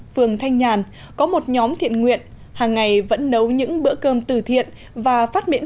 phường thanh nhàn có một nhóm thiện nguyện hàng ngày vẫn nấu những bữa cơm từ thiện và phát miễn